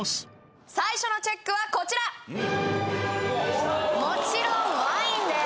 最初のＣＨＥＣＫはこちらもちろんワインです